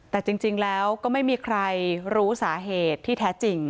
แต่จริงแล้วก็ไม่มีใครรู้สาเหตุที่แท้จริง